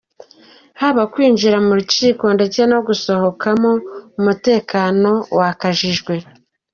Haba Kwinjira mu rukiko ndetse no gusohokamo umutekano wakajijwe.